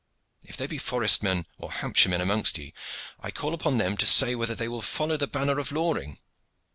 If there be forest men or Hampshire men amongst ye, I call upon them to say whether they will follow the banner of Loring."